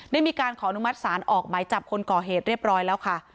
มีการขออนุมัติศาลออกหมายจับคนก่อเหตุเรียบร้อยแล้วค่ะ